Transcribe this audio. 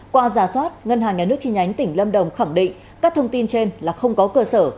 qua giả soát ngân hàng nhà nước chi nhánh tỉnh lâm đồng khẳng định các thông tin trên là không có cơ sở